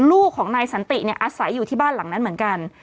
ลูกของนายสันติเนี่ยอาศัยอยู่ที่บ้านหลังนั้นเหมือนกัน